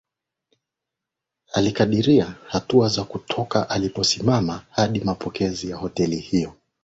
Alikadiria hatua za kutoka aliposimama hadi mapokezi ya hoteli hiyo